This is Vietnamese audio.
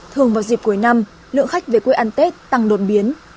thường vào dịp cuối năm lượng khách về quê ăn tết tăng đột biến